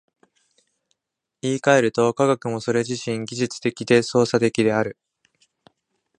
言い換えると、科学もそれ自身技術的で操作的である。